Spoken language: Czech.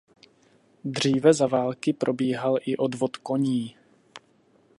Dříve za války probíhal i odvod koní.